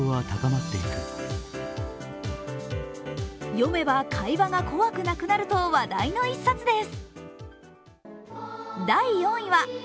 読めば会話が怖くなくなると話題の一冊です。